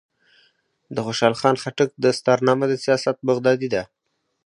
د خوشحال خان خټک دستارنامه د سیاست بغدادي ده.